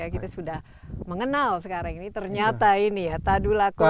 kita sudah mengenal sekarang ini ternyata ini ya tadulako